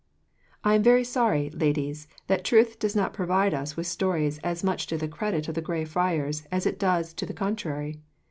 "I am very sorry, ladies, that truth does not provide us with stories as much to the credit of the Grey Friars as it does to the contrary.